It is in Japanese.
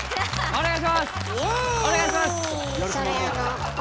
お願いします！